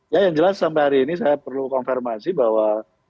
ya yang jelas sampai hari ini saya perlu konfirmasi bahwa